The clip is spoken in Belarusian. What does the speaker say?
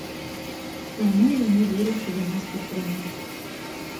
Таму яны вырашылі нас падтрымаць.